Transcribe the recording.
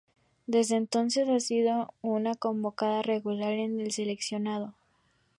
Desde entonces ha sido una convocada regular en el seleccionado.